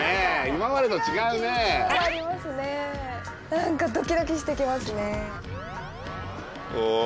何かドキドキしてきますね。